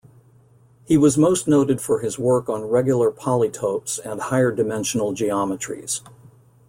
He was most noted for his work on regular polytopes and higher-dimensional geometries.